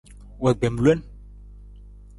Wa gbem lon.